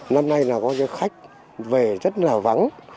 năm nay là có khách về rất là vắng